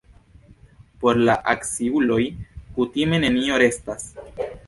Por la akciuloj kutime nenio restas.